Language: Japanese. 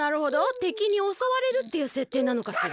てきにおそわれるっていうせっていなのかしら。